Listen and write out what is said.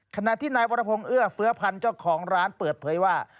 ขณะที่นายวรพงศ์เอื้อเฟื้อพันธ์เจ้าของร้านเปิดเผยว่า